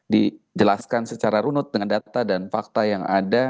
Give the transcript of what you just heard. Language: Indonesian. dijelaskan secara runut dengan data dan fakta yang ada